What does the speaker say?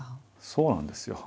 そうなんですよ。